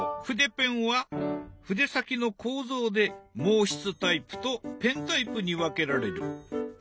筆ペンは筆先の構造で毛筆タイプとペンタイプに分けられる。